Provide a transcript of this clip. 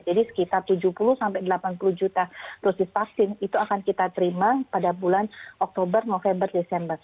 jadi sekitar tujuh puluh sampai delapan puluh juta dosis vaksin itu akan kita terima pada bulan oktober november desember